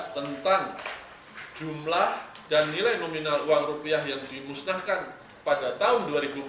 tentang jumlah dan nilai nominal uang rupiah yang dimusnahkan pada tahun dua ribu empat belas